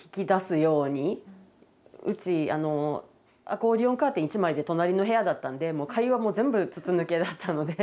うちアコーディオンカーテン１枚で隣の部屋だったんでもう会話も全部筒抜けだったので。